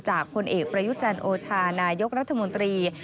จากผลเอกพระยุจรรย์โอชานายกรัฐมนตรี